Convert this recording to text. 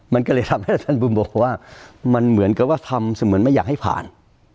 มันก็เลยทำให้ท่านบุญบอกว่ามันเหมือนกับว่าทำเสมือนไม่อยากให้ผ่าน